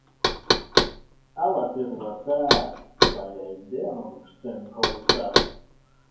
Ала тӧрлатат, сай айдемым ыштен колтат.